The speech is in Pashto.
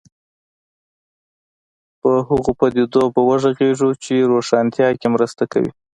پر هغو پدیدو به وغږېږو چې روښانتیا کې مرسته کوي.